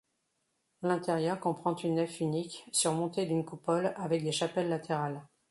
L'intérieur comprend une nef unique, surmonté d'une coupole, avec des chapelles latérales.